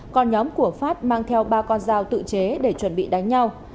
còn nhóm của phát mang theo ba con dao tự chế để chuẩn bị đánh nhau